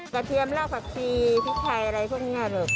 เทียมรากผักชีพริกไทยอะไรพวกนี้แบบ